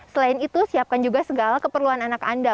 selain itu siapkan juga segala keperluan anak anda